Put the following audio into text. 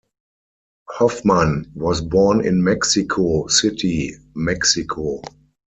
Hofmann was born in Mexico City, Mexico.